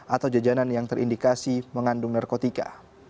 atau jajanan yang terindikasi mengandung narkotika